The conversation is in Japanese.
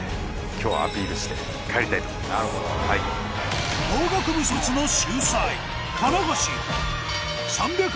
今日はアピールして帰りたいと思います。